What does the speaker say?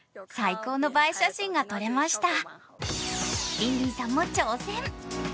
リンリンさんも挑戦。